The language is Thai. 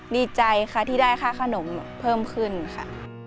ดีใจค่ะที่ได้ค่าขนมเพิ่มขึ้นค่ะ